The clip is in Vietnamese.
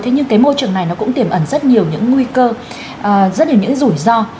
thế nhưng cái môi trường này nó cũng tiềm ẩn rất nhiều những nguy cơ rất là những rủi ro